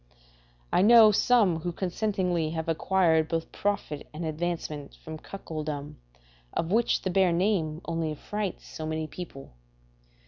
I know some who consentingly have acquired both profit and advancement from cuckoldom, of which the bare name only affrights so many people.